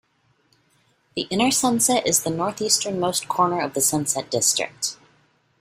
The Inner Sunset is the northeastern-most corner of the Sunset District.